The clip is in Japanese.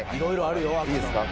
いいですか？